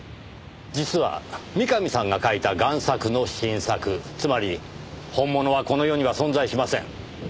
実は三上さんが描いた贋作の真作つまり本物はこの世には存在しません。